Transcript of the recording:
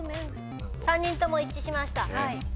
３人とも一致しました。